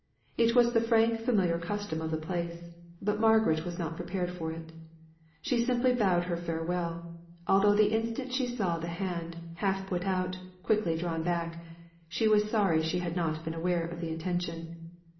It was the frank familiar custom of the place; but Margaret was not prepared for it. She simply bowed her farewell; although the instant she saw the hand, half put out, quickly drawn back, she was sorry she had not been aware of the intention.